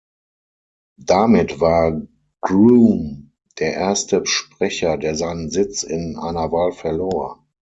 Damit war Groom der erste Sprecher, der seinen Sitz in einer Wahl verlor.